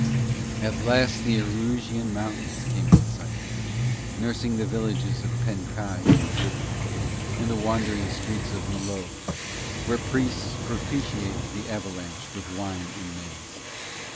At last the Irusian Mountains came in sight, nursing the villages of Pen Kai and Blut, and the wandering streets of Mlo, where priests propitiate the avalanche with wine and maize.